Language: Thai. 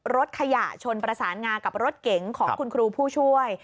รถขยะชนประสานงากับรถเก๋งของคุณครูผู้ช่วย